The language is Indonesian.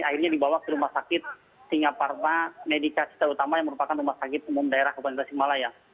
akhirnya dibawa ke rumah sakit singaparna medikasi terutama yang merupakan rumah sakit umum daerah kabupaten tasikmalaya